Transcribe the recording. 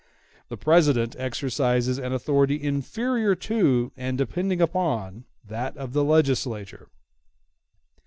The President exercises an authority inferior to, and depending upon, that of the legislature.